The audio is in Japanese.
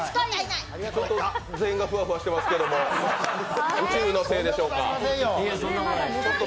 全員がふわふわしてますけども、宇宙のせいでしょうか。